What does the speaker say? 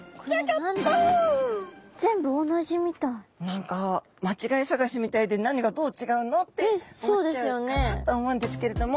何か間違い探しみたいで何がどう違うの？って思っちゃうかなと思うんですけれども。